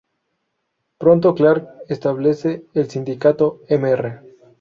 Pronto Clark establece el sindicato "Mr.